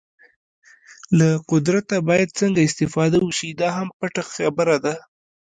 له قدرته باید څنګه استفاده وشي دا هم پټه خبره ده.